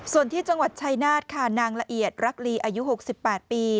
ส่วนที่จังหวัดชายนาฏค่ะนางละเอียดรักลีอายุ๖๘ปี